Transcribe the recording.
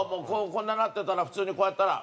こんななってたら普通にこうやったら。